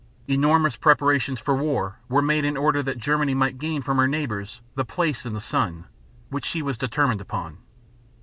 Enormous preparations for war were made in order that Germany might gain from her neighbors the "place in the sun" which she was determined upon.